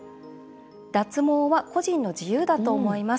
脱毛は個人の自由だと思います。